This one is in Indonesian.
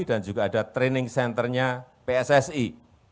dan juga ada training centernya pssi